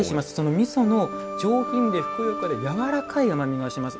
みその上品でふくよかでやわらかい甘みがします。